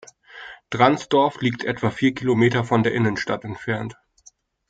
Dransdorf liegt etwa vier Kilometer von der Innenstadt entfernt.